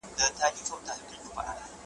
هره ورځ به یې کوله پروازونه ,